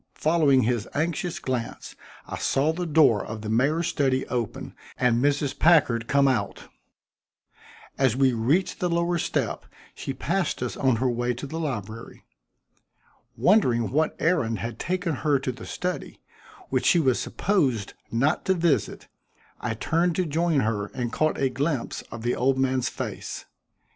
Following his anxious glance, I saw the door of the mayor's study open and Mrs. Packard come out. As we reached the lower step, she passed us on her way to the library. Wondering what errand had taken her to the study, which she was supposed not to visit, I turned to join her and caught a glimpse of the old man's face.